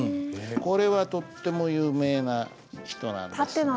これはとっても有名な人なんですが。